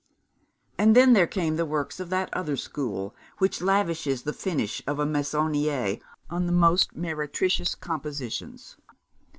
And then there came the works of that other school which lavishes the finish of a Meissonier on the most meretricious compositions.